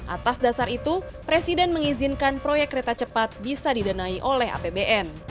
atas dasar itu presiden mengizinkan proyek kereta cepat bisa didanai oleh apbn